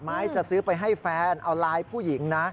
ไม่ใช่จะซื้อไปให้แฟนเอาลายผู้หญิงนะ